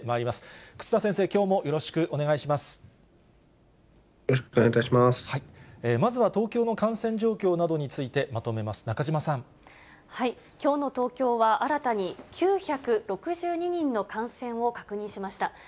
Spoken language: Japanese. まずは東京の感染状況などにきょうの東京は、新たに９６２人の感染を確認しました。